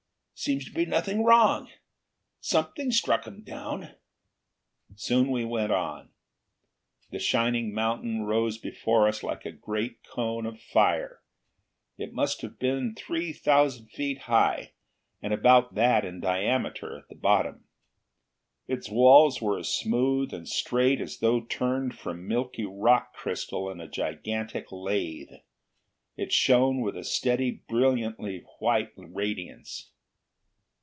Seems to be nothing wrong. Something struck them down!" Soon we went on. The shining mountain rose before us like a great cone of fire. It must have been three thousand feet high, and about that in diameter at the bottom. Its walls were as smooth and straight as though turned from milky rock crystal in a gigantic lathe. It shone with a steady, brilliantly white radiance.